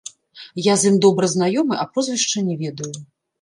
Я з ім добра знаёмы, а прозвішча не ведаю.